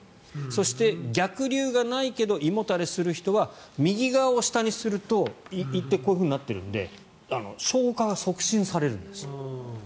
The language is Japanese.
そして、逆流がないけど胃もたれする人は右側を下にすると、胃はこういうふうになっているので消化が促進されるんです。